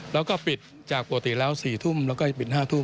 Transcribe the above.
แล้วก็ปิดจากปกติแล้ว๔ทุ่มแล้วก็จะปิด๕ทุ่ม